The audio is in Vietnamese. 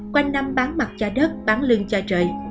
quanh năm bán mặt cho đất bán lương cho trời